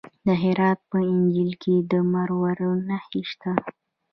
د هرات په انجیل کې د مرمرو نښې شته.